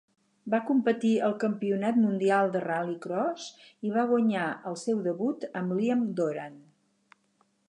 Va competir al Campionat Mundial de Rallycross i va guanyar al seu debut amb Liam Doran.